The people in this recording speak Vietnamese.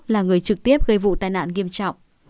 là người trực tiếp gây vụ tai nạn nghiêm trọng